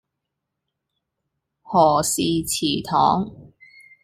何氏祠堂